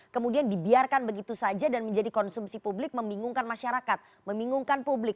kemudian dibiarkan begitu saja dan menjadi konsumsi publik membingungkan masyarakat membingungkan publik